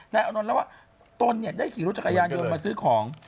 นายอ่านนอนแล้วว่าตนเนี่ยได้ขี่รถจักรยานยนต์มาซื้อของ